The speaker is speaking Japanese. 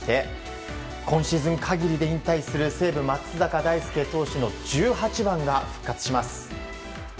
今シーズン限りで引退する西武、松坂大輔投手の１８番が復活します。